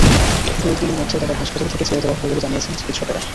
দু-এক দিনের মধ্যে তাঁদের হাসপাতাল থেকে ছেড়ে দেওয়া হবে বলে জানিয়েছেন চিকিৎসকেরা।